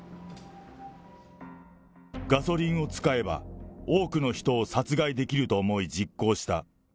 ガソリンを使えば、多くの人を殺害できると思い、実行した。